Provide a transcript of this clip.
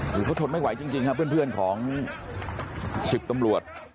หรือเขาทนไม่ไหวจริงจริงค่ะเพื่อนเพื่อนของชิกตำรวจ